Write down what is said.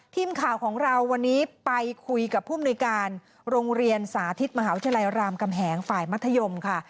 ทีมข่าวของเราวันนี้ไปคุยกับผู้มนุยการโรงเรียนสาธิตมหาวิทยาลัยรามกำแหงฝ่ายมัธยมค่ะ